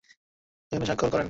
এখানে স্বাক্ষর করেন।